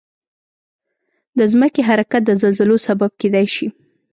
د ځمکې حرکت د زلزلو سبب کېدای شي.